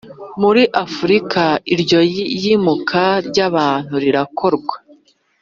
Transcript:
muri Afurika Iryo yimuka ry abantu rirakorwa